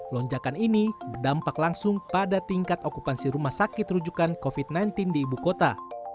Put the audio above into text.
lonjakan ini berdampak langsung pada tingkat okupansi rumah sakit rujukan covid sembilan belas di ibu kota